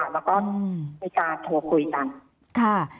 แล้วก็มีการโทรคุยกันค่ะ